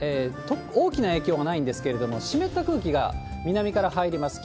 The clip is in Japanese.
大きな影響はないんですけれども、湿った空気が南から入ります。